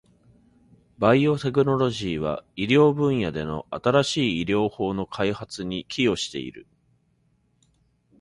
バイオテクノロジーは、医療分野での新しい治療法の開発に寄与している。